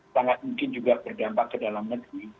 sangat mungkin juga berdampak ke dalam negeri